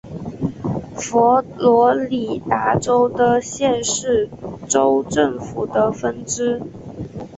佛罗里达州的县是州政府的分支。